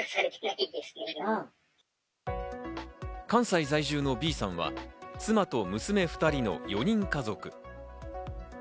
関西在住のＢさんは妻と娘２人の４人家族。